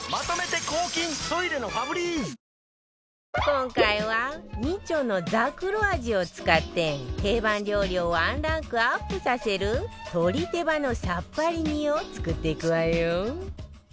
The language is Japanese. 今回は美酢のざくろ味を使って定番料理をワンランクアップさせる鶏手羽のさっぱり煮を作っていくわよ